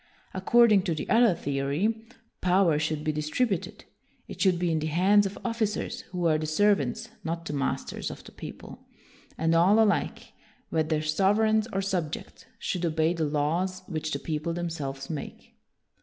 According to the other theory, power should be distributed; it should be in the hands of officers who are the serv ants, not the masters, of the people; and all alike, whether sovereigns or subjects, should obey the law r s which the people themselves make.